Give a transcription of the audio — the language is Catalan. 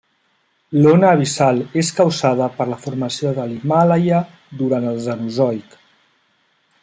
L'ona abissal és causada per la formació de l'Himàlaia durant el Cenozoic.